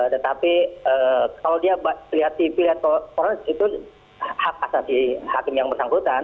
tetapi kalau dia melihat tv lihat korel itu hak asasi hakim yang bersangkutan